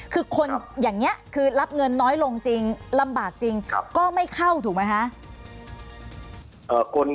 คือคนอย่างนี้คือรับเงินน้อยลงจริงลำบากจริงก็ไม่เข้าถูกไหมคะ